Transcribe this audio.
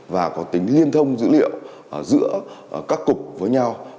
và có tính liên thông dữ liệu giữa các cục với nhau